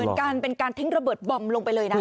เป็นการเป็นการทิ้งระเบิดบอมลงไปเลยนะ